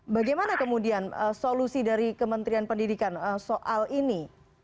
bagaimana kemudian solusi dari kementerian pendidikan soal ini